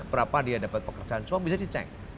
berapa dia dapat pekerjaan semua bisa dicek